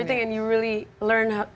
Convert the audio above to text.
untuk menghargai semuanya yang